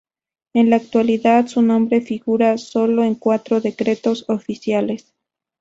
En la actualidad, su nombre figura solo en cuatro decretos oficiales.